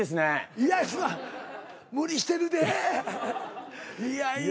いやいや無理してるでいやいや。